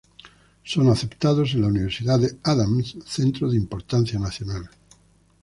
Son aceptados en la Universidad de Adams, centro de importancia nacional.